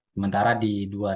sementara di dua ribu dua